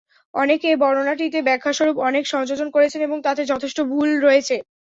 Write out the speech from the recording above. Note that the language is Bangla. অনেকে এ বর্ণনাটিতে ব্যাখ্যাস্বরূপ অনেক সংযোজন করেছেন এবং তাতে যথেষ্ট ভুল রয়েছে।